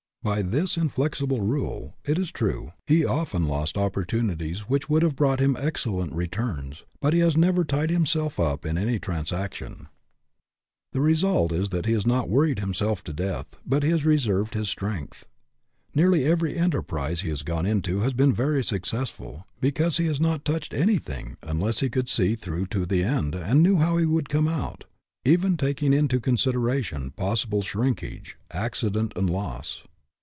By this inflexible rule, it is true, he often lost opportunities which would have brought him excellent returns, but he has never tied himself up in any tran FREEDOM AT ANY COST 57 saction. The result is that he has not wor ried himself to death, but has reserved his strength. Nearly every enterprise he has gone into has been very successful, because he has not touched anything unless he could see through to the end and knew how he would come out (even taking into consideration possi ble shrinkage, accident, and loss).